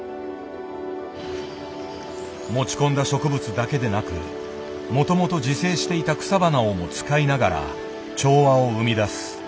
持ち込んだ植物だけでなくもともと自生していた草花をも使いながら調和を生み出す。